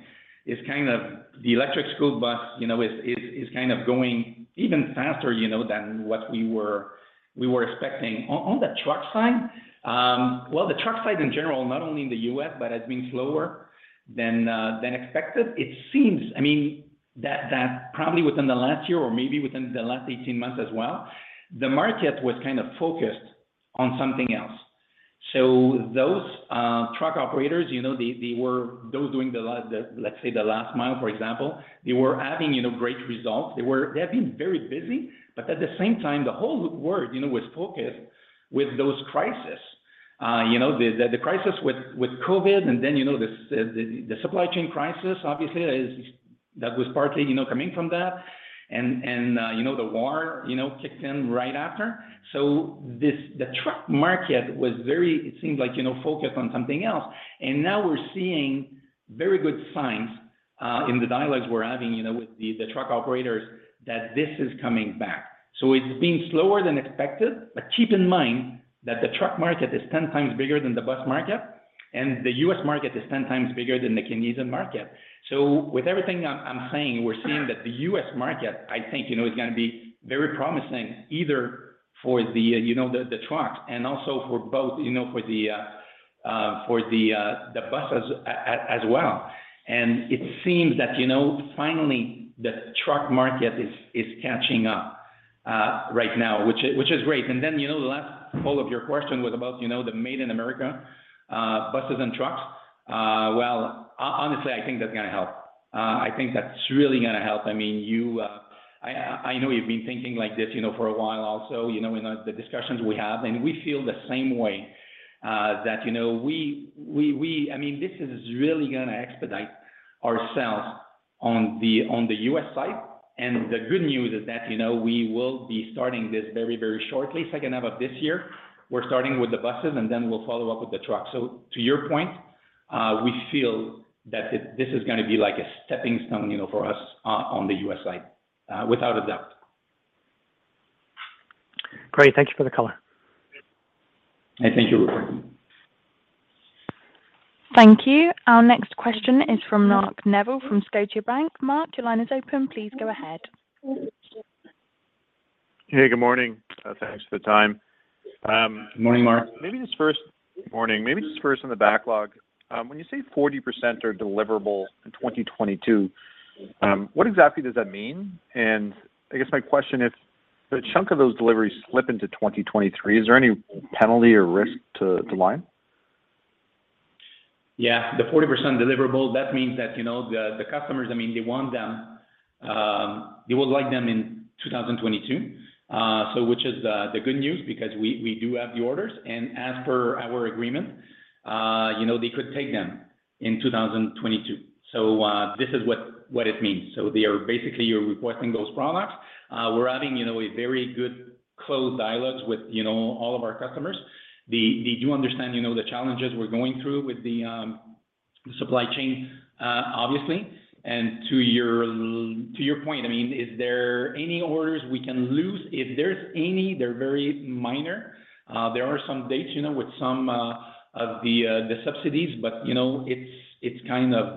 [SPEAKER 3] is kind of the electric school bus, you know, is kind of going even faster, you know, than what we were expecting. On the truck side, well, the truck side in general, not only in the U.S., but it's been slower than expected. It seems, I mean, that probably within the last year or maybe within the last 18 months as well, the market was kind of focused on something else. Those truck operators, you know, those doing the last mile, for example, they were having, you know, great results. They have been very busy, but at the same time, the whole world, you know, was focused with those crises. You know, the crisis with COVID and then, you know, the supply chain crisis obviously, that was partly, you know, coming from that. The war, you know, kicked in right after. The truck market was very focused on something else, it seems like, you know. Now we're seeing very good signs in the dialogues we're having, you know, with the truck operators that this is coming back. It's been slower than expected, but keep in mind that the truck market is ten times bigger than the bus market, and the US market is ten times bigger than the Canadian market. With everything I'm saying, we're seeing that the US market, I think, you know, is gonna be very promising either for the truck and also for both, you know, for the buses as well. It seems that, you know, finally the truck market is catching up right now, which is great. You know, all of your question was about, you know, the Made in America buses and trucks. Well, honestly, I think that's gonna help. I think that's really gonna help. I mean, you, I know you've been thinking like this, you know, for a while also, you know, in the discussions we have, and we feel the same way. I mean, this is really gonna expedite our sales on the U.S. side. The good news is that, you know, we will be starting this very, very shortly, second half of this year. We're starting with the buses, and then we'll follow up with the trucks. To your point, we feel that this is gonna be like a stepping stone, you know, for us on the U.S. side, without a doubt.
[SPEAKER 8] Great. Thank you for the color.
[SPEAKER 3] Thank you.
[SPEAKER 1] Thank you. Our next question is from Mark Neville from Scotiabank. Mark, your line is open. Please go ahead.
[SPEAKER 9] Hey, good morning. Thanks for the time.
[SPEAKER 3] Morning, Mark.
[SPEAKER 9] Morning. Maybe just first on the backlog. When you say 40% are deliverable in 2022, what exactly does that mean? I guess my question, if the chunk of those deliveries slip into 2023, is there any penalty or risk to Lion?
[SPEAKER 3] Yeah. The 40% deliverable, that means that, you know, the customers, I mean, they want them, they would like them in 2022. Which is the good news because we do have the orders. As per our agreement, you know, they could take them in 2022. This is what it means. They are basically requesting those products. We're having, you know, a very good close dialogue with, you know, all of our customers. They do understand, you know, the challenges we're going through with the supply chain, obviously. To your point, I mean, is there any orders we can lose? If there's any, they're very minor. There are some dates, you know, with some of the subsidies, but, you know, it's kind of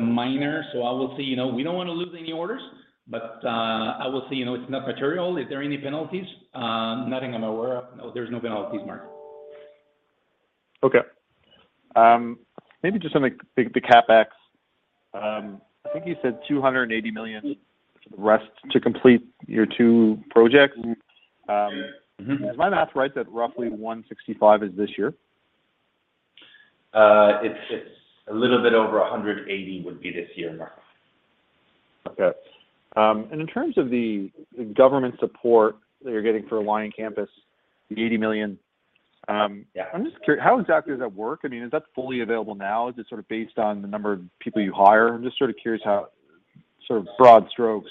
[SPEAKER 3] minor. I will say, you know, we don't wanna lose any orders, but I will say, you know, it's not material. Is there any penalties? Nothing I'm aware of. No, there's no penalties, Mark.
[SPEAKER 9] Okay. Maybe just on the CapEx. I think you said 280 million left to complete your two projects.
[SPEAKER 3] Mm-hmm.
[SPEAKER 9] Um-
[SPEAKER 3] Mm-hmm
[SPEAKER 9] Is my math right, that roughly 165 is this year?
[SPEAKER 3] It's a little bit over 180 would be this year, Mark.
[SPEAKER 9] In terms of the government support that you're getting for Lion Campus, the 80 million-
[SPEAKER 3] Yeah
[SPEAKER 9] I'm just curious how exactly does that work? I mean, is that fully available now? Is it sort of based on the number of people you hire? I'm just sort of curious how, sort of broad strokes,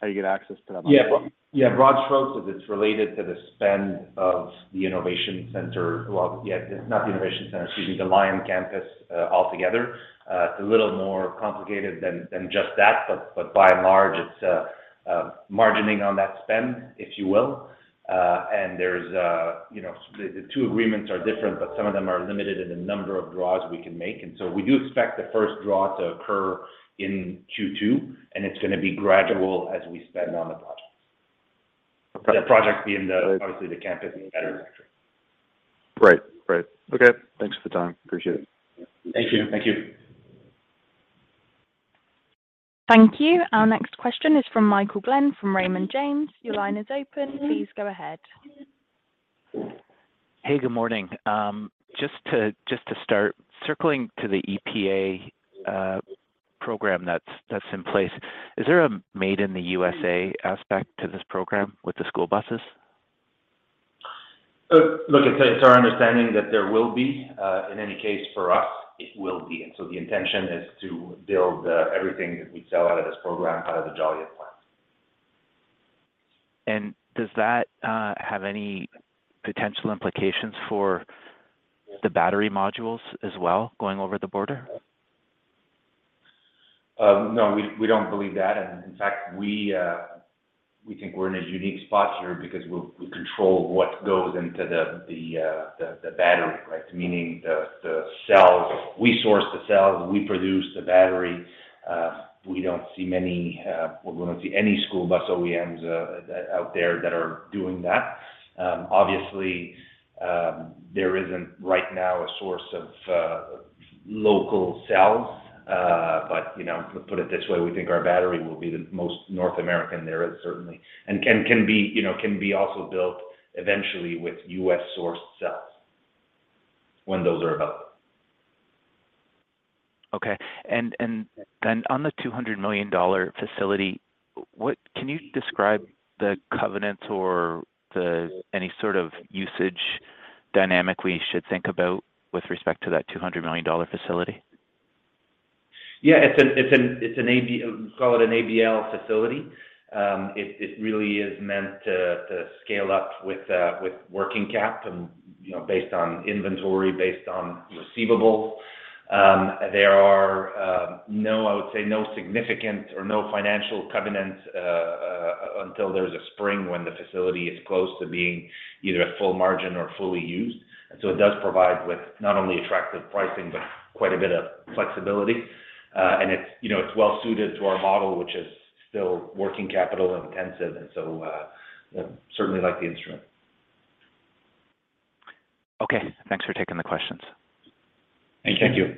[SPEAKER 9] how you get access to that money.
[SPEAKER 3] Yeah. Yeah. Broad strokes is it's related to the spend of the innovation center. Well, yeah, not the innovation center, excuse me, the Lion campus altogether. It's a little more complicated than just that, but by and large, it's margining on that spend, if you will. And there's, you know, the two agreements are different, but some of them are limited in the number of draws we can make. We do expect the first draw to occur in Q2, and it's gonna be gradual as we spend on the projects.
[SPEAKER 9] Okay.
[SPEAKER 3] The projects being, obviously, the campus and the battery factory.
[SPEAKER 9] Right. Right. Okay. Thanks for the time. Appreciate it.
[SPEAKER 3] Thank you. Thank you.
[SPEAKER 1] Thank you. Our next question is from Michael Glen from Raymond James. Your line is open. Please go ahead.
[SPEAKER 10] Hey, good morning. Just to start, circling back to the EPA program that's in place, is there a made in the USA aspect to this program with the school buses?
[SPEAKER 3] Look, it's our understanding that there will be. In any case, for us, it will be. The intention is to build everything that we sell out of this program out of the Joliet plant.
[SPEAKER 10] Does that have any potential implications for the battery modules as well, going over the border?
[SPEAKER 3] No, we don't believe that. In fact, we think we're in a unique spot here because we control what goes into the battery, right? Meaning the cells. We source the cells, we produce the battery. We don't see any school bus OEMs out there that are doing that. Obviously, there isn't right now a source of local cells. You know, put it this way, we think our battery will be the most North American there is certainly. Can be, you know, also built eventually with U.S.-sourced cells when those are available.
[SPEAKER 10] On the 200 million dollar facility, what can you describe the covenants or any sort of usage dynamic we should think about with respect to that 200 million dollar facility?
[SPEAKER 3] Yeah. It's an ABL facility. It really is meant to scale up with working cap and, you know, based on inventory, based on receivables. There are no significant financial covenants until the springing when the facility is close to being either at full margin or fully used. It does provide with not only attractive pricing, but quite a bit of flexibility. It's well suited to our model, which is still working capital intensive and so certainly like the instrument.
[SPEAKER 10] Okay. Thanks for taking the questions.
[SPEAKER 3] Thank you.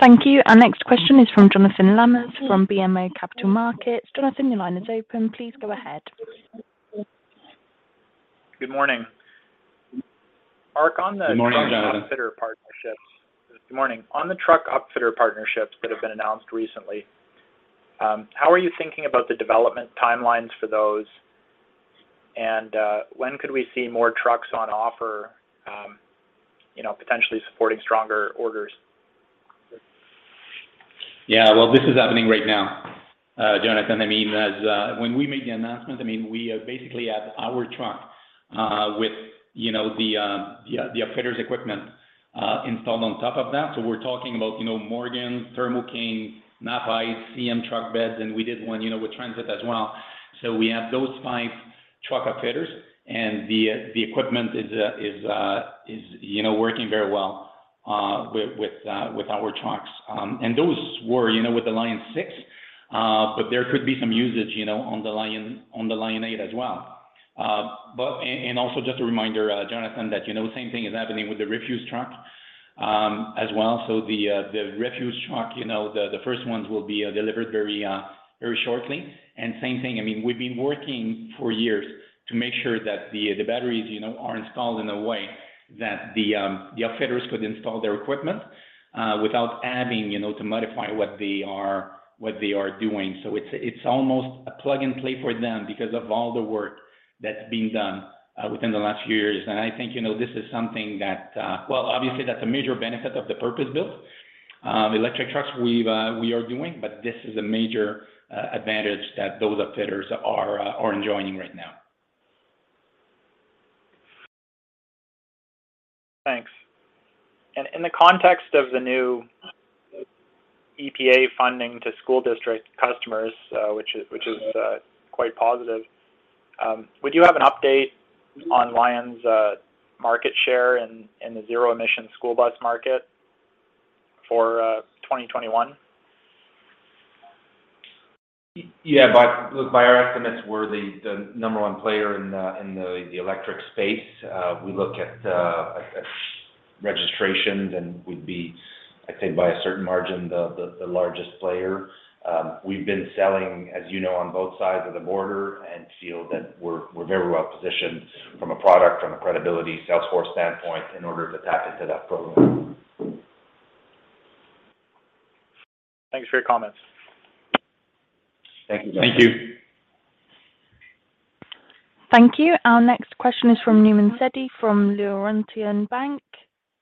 [SPEAKER 1] Thank you. Our next question is from Jonathan Lamers from BMO Capital Markets. Jonathan, your line is open. Please go ahead.
[SPEAKER 11] Good morning.
[SPEAKER 3] Good morning, Jonathan.
[SPEAKER 11] Mark, on the upfitter partnerships. Good morning. On the truck upfitter partnerships that have been announced recently, how are you thinking about the development timelines for those? When could we see more trucks on offer, you know, potentially supporting stronger orders?
[SPEAKER 3] Yeah. Well, this is happening right now, Jonathan. I mean, as when we made the announcement, I mean, we basically have our truck with you know the upfitter's equipment installed on top of that. So we're talking about you know Morgan, Thermo King, Knapheide, CM Truck Beds, and we did one you know with Trans-Axle as well. So we have those five truck upfitters. The equipment is you know working very well with our trucks. Those were you know with the Lion Six. But there could be some usage you know on the Lion Eight as well. Also just a reminder, Jonathan, that you know same thing is happening with the refuse truck as well. The refuse truck, you know, the first ones will be delivered very shortly. Same thing, I mean, we've been working for years to make sure that the batteries, you know, are installed in a way that the upfitters could install their equipment without having, you know, to modify what they are doing. It's almost a plug and play for them because of all the work that's being done within the last years. I think, you know, this is something that, well, obviously, that's a major benefit of the purpose-built electric trucks we are doing. This is a major advantage that those upfitters are enjoying right now.
[SPEAKER 11] Thanks. In the context of the new EPA funding to school district customers, which is quite positive, would you have an update on Lion's market share in the zero-emission school bus market for 2021?
[SPEAKER 3] Yeah. Look, by our estimates, we're the number one player in the electric space. We look at registrations, and we'd be, I'd say, by a certain margin, the largest player. We've been selling, as you know, on both sides of the border and feel that we're very well positioned from a product, from a credibility, sales force standpoint in order to tap into that program.
[SPEAKER 11] Thanks for your comments.
[SPEAKER 3] Thank you, Jonathan.
[SPEAKER 11] Thank you.
[SPEAKER 1] Thank you. Our next question is from Nauman Satti from Laurentian Bank.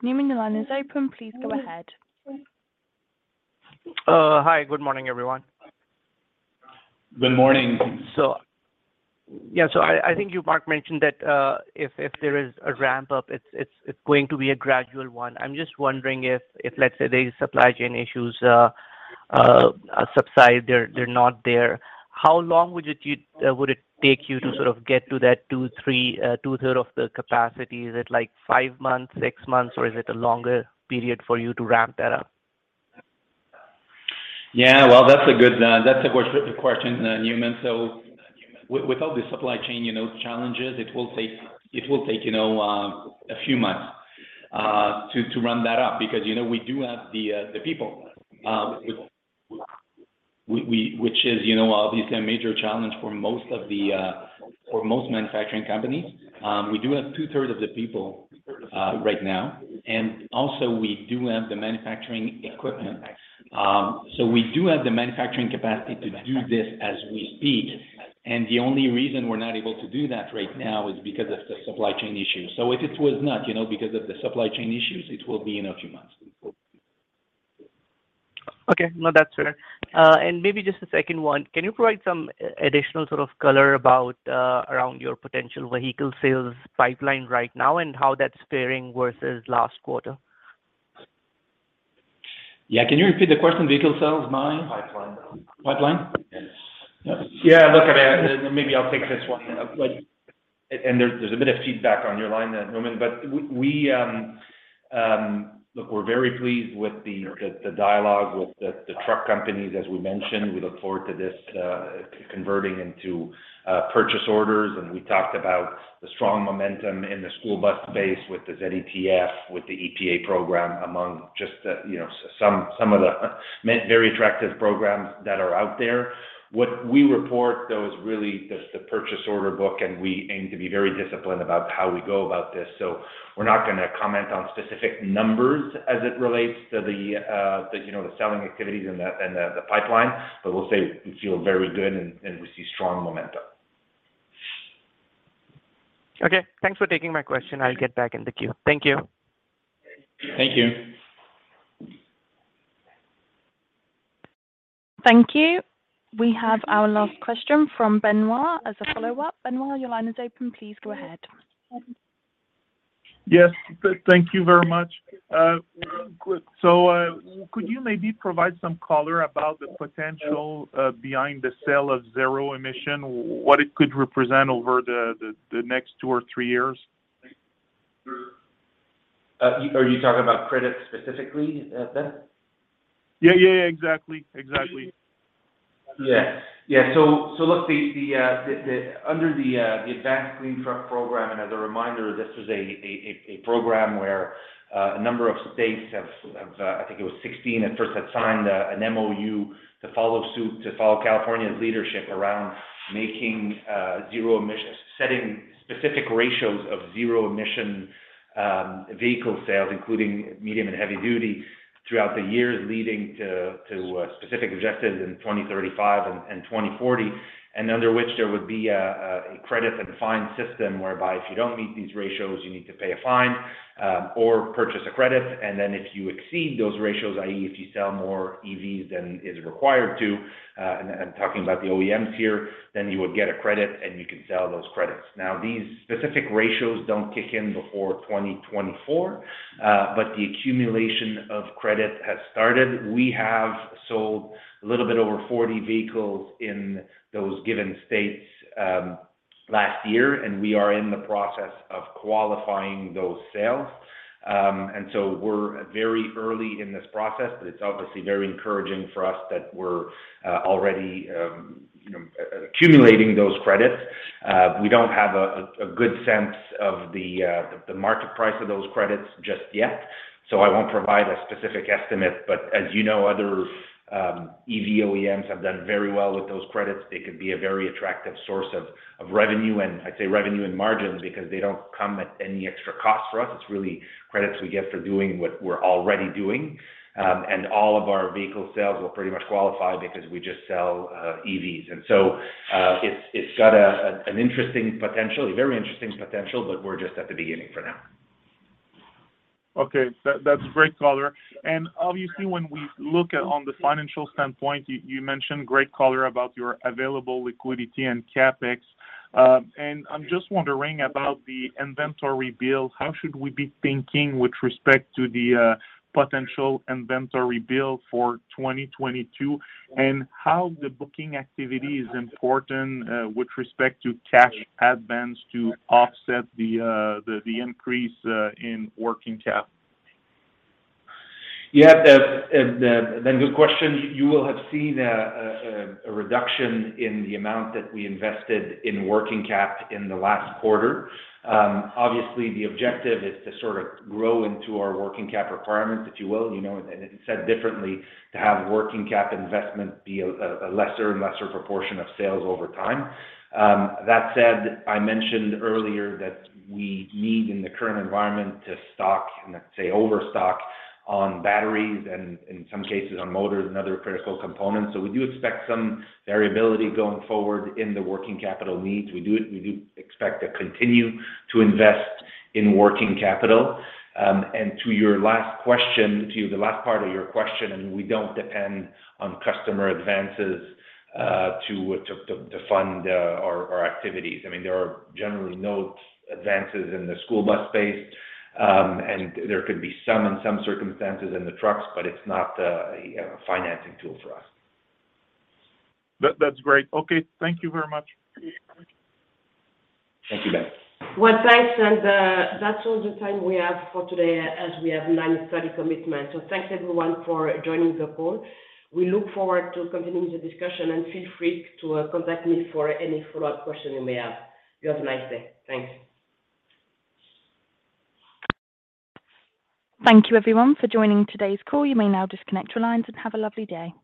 [SPEAKER 1] Nauman, your line is open. Please go ahead.
[SPEAKER 12] Hi. Good morning, everyone.
[SPEAKER 3] Good morning.
[SPEAKER 12] Yeah. I think you, Mark, mentioned that if there is a ramp up, it's going to be a gradual one. I'm just wondering if let's say these supply chain issues subside, they're not there. How long would it take you to sort of get to that two-thirds of the capacity? Is it like 5 months, 6 months, or is it a longer period for you to ramp that up?
[SPEAKER 3] Yeah. Well, that's a good question, Nauman. Without the supply chain challenges, it will take a few months to ramp that up because we do have the people, which is obviously a major challenge for most manufacturing companies. We do have two-thirds of the people right now, and also we do have the manufacturing equipment. We do have the manufacturing capacity to do this as we speak, and the only reason we're not able to do that right now is because of the supply chain issues. If it was not because of the supply chain issues, it will be in a few months.
[SPEAKER 12] Okay. No, that's fair. Maybe just a second one. Can you provide some additional sort of color about, around your potential vehicle sales pipeline right now and how that's faring versus last quarter?
[SPEAKER 3] Yeah. Can you repeat the question, vehicle sales? Mine?
[SPEAKER 12] Pipeline.
[SPEAKER 3] Pipeline?
[SPEAKER 12] Yes.
[SPEAKER 3] Yeah. Look, I mean, maybe I'll take this one. There's a bit of feedback on your line there, Nauman. We're very pleased with the dialogue with the truck companies, as we mentioned. We look forward to this converting into purchase orders. We talked about the strong momentum in the school bus space with the ZETF, with the EPA program among just the, you know, some of the very attractive programs that are out there. What we report, though, is really just the purchase order book, and we aim to be very disciplined about how we go about this. We're not gonna comment on specific numbers as it relates to the, you know, the selling activities and the pipeline. We'll say we feel very good, and we see strong momentum.
[SPEAKER 12] Okay. Thanks for taking my question. I'll get back in the queue. Thank you.
[SPEAKER 3] Thank you.
[SPEAKER 1] Thank you. We have our last question from Benoit as a follow-up. Benoit, your line is open. Please go ahead.
[SPEAKER 5] Yes. Thank you very much. Could you maybe provide some color about the potential behind the sale of zero emission, what it could represent over the next two or three years?
[SPEAKER 3] Are you talking about credits specifically, Ben?
[SPEAKER 5] Yeah. Exactly.
[SPEAKER 4] Look, under the Advanced Clean Truck Program, and as a reminder, this is a program where a number of states have, I think it was 16 at first, had signed an MOU to follow suit, to follow California's leadership around making zero emissions, setting specific ratios of zero emission vehicle sales, including medium and heavy duty throughout the years, leading to specific objectives in 2035 and 2040. Under which there would be a credit and fine system whereby if you don't meet these ratios, you need to pay a fine or purchase a credit. If you exceed those ratios, i.e., if you sell more EVs than is required to, and I'm talking about the OEMs here, then you would get a credit and you can sell those credits. Now, these specific ratios don't kick in before 2024, but the accumulation of credit has started. We have sold a little bit over 40 vehicles in those given states, last year, and we are in the process of qualifying those sales. And so we're very early in this process, but it's obviously very encouraging for us that we're already, you know, accumulating those credits. We don't have a good sense of the market price of those credits just yet, so I won't provide a specific estimate. As you know, other EV OEMs have done very well with those credits. They could be a very attractive source of revenue, and I'd say revenue and margins because they don't come at any extra cost for us. It's really credits we get for doing what we're already doing. All of our vehicle sales will pretty much qualify because we just sell EVs. It's got a, an interesting potential, a very interesting potential, but we're just at the beginning for now.
[SPEAKER 5] Okay. That's great color. Obviously, when we look at on the financial standpoint, you mentioned great color about your available liquidity and CapEx. I'm just wondering about the inventory build. How should we be thinking with respect to the potential inventory build for 2022, and how the booking activity is important with respect to cash advance to offset the increase in working capital?
[SPEAKER 4] Yeah. Good question. You will have seen a reduction in the amount that we invested in working cap in the last quarter. Obviously, the objective is to sort of grow into our working cap requirements, if you will. You know, and said differently, to have working cap investment be a lesser and lesser proportion of sales over time. That said, I mentioned earlier that we need in the current environment to stock, and let's say overstock, on batteries and in some cases on motors and other critical components. So we do expect some variability going forward in the working capital needs. We do expect to continue to invest in working capital. To your last question, to the last part of your question, we don't depend on customer advances to fund our activities. I mean, there are generally no advances in the school bus space, and there could be some in some circumstances in the trucks, but it's not a financing tool for us.
[SPEAKER 5] That's great. Okay, thank you very much.
[SPEAKER 4] Thank you, Ben.
[SPEAKER 2] Well, thanks. That's all the time we have for today as we have nine study commitments. Thanks everyone for joining the call. We look forward to continuing the discussion, and feel free to contact me for any follow-up questions you may have. You have a nice day. Thanks.
[SPEAKER 1] Thank you everyone for joining today's call. You may now disconnect your lines and have a lovely day.